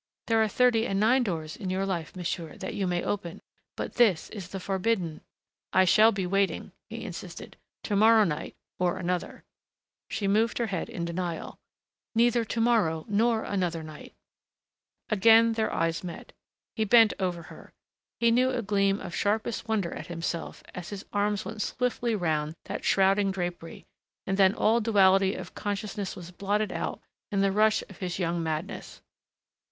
There are thirty and nine doors in your life, monsieur, that you may open, but this is the forbidden " "I shall be waiting," he insisted. "To morrow night or another " She moved her head in denial. "Neither to morrow nor another night " Again their eyes met. He bent over her. He knew a gleam of sharpest wonder at himself as his arms went swiftly round that shrouding drapery, and then all duality of consciousness was blotted out in the rush of his young madness.